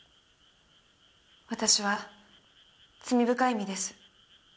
私は罪深い身です。